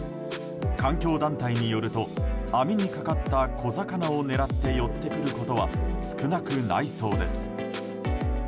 環境団体によると網にかかった小魚を狙って寄ってくることは少なくないそうです。